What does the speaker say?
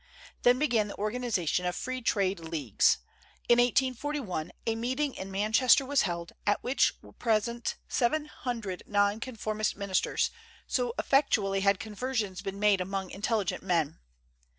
Then began the organization of Free Trade Leagues. In 1841 a meeting in Manchester was held, at which were present seven hundred nonconformist ministers, so effectually had conversions been made among intelligent men.